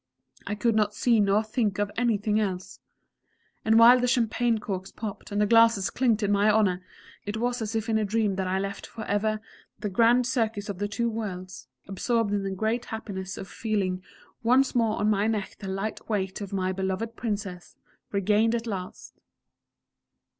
I could not see nor think of anything else! And while the Champagne corks popped, and the glasses clinked in my honour, it was as if in a dream that I left forever the "Grand Circus of the Two Worlds" absorbed in the great happiness of feeling once more on my neck the light weight of my beloved Princess, regained at last.